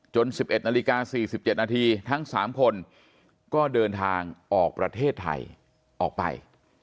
๑๑นาฬิกา๔๗นาทีทั้ง๓คนก็เดินทางออกประเทศไทยออกไป